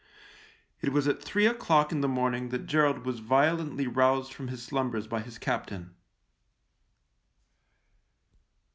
It was at three o'clock in the morning that Gerald was violently roused from his slumbers by his captain.